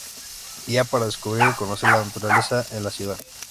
Guía para descubrir y conocer la naturaleza en la ciudad.